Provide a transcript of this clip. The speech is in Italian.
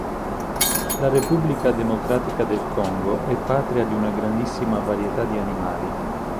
La Repubblica Democratica del Congo è patria di una grandissima varietà di animali.